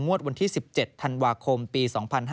วันที่๑๗ธันวาคมปี๒๕๕๙